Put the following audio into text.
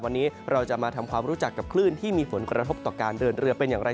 วันนี้เราจะมาทำความรู้จักกับคลื่นที่มีผลกระทบต่อการเดินเรือเป็นอย่างไร